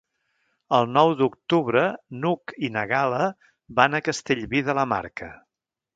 El nou d'octubre n'Hug i na Gal·la van a Castellví de la Marca.